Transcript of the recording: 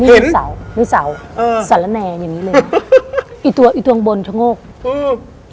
นี่เป็นเสานี่เสาเออสัลแนะอย่างงี้เลยอีตัวอีตัวบนชะโงกอืม